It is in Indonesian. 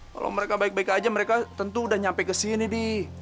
kalau mereka baik baik aja mereka tentu udah nyampe ke sini di